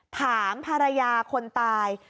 ถามภรรยาคนตาย